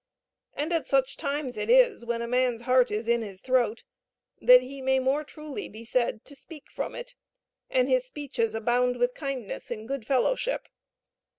And at such times it is, when a man's heart is in his throat, that he may more truly be said to speak from it, and his speeches abound with kindness and good fellowship.